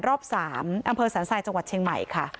รอบ๓อำเภอสันทรายจังหวัดเชียงใหม่ค่ะ